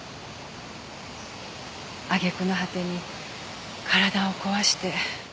揚げ句の果てに体を壊して。